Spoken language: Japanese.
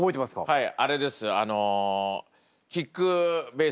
はい。